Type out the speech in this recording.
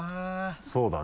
そうだね。